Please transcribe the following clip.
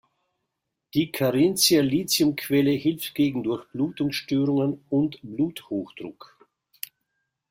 Die Carinthia-Lithium-Quelle hilft gegen Durchblutungsstörungen und Bluthochdruck.